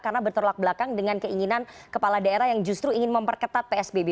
karena berterlak belakang dengan keinginan kepala daerah yang justru ingin memperketat psbb